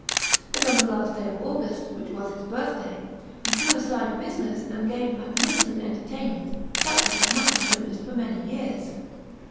But on the last day of August, which was his birthday, he threw aside business, and gave a magnificent entertainment, such as had not been witnessed for many years.